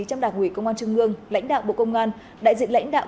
trong đảng ủy công an trương ngương lãnh đạo bộ công an đại diện lãnh đạo